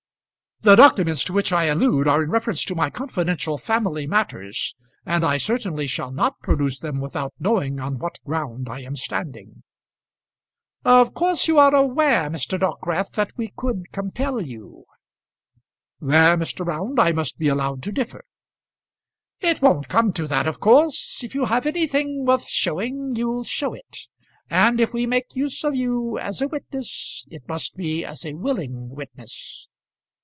"The documents to which I allude are in reference to my confidential family matters; and I certainly shall not produce them without knowing on what ground I am standing." "Of course you are aware, Mr. Dockwrath, that we could compel you." "There, Mr. Round, I must be allowed to differ." "It won't come to that, of course. If you have anything worth showing, you'll show it; and if we make use of you as a witness, it must be as a willing witness."